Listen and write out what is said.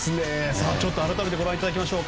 改めてご覧いただきましょう。